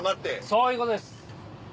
そういうことです。